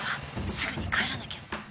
すぐに帰らなきゃ！って」